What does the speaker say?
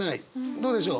どうでしょう？